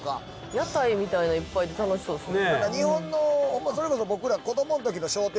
屋台みたいのいっぱいで楽しそうですね。